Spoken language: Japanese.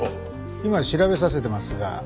今調べさせてますが。